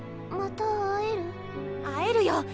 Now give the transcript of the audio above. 会えるよ！